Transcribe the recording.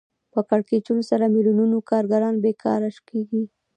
په کړکېچونو سره میلیونونو کارګران بېکاره کېږي